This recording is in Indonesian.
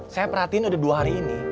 saya perhatiin udah dua hari ini